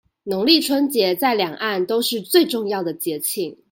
農曆春節在兩岸都是最重要的節慶